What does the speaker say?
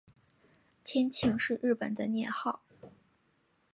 天庆是日本的年号。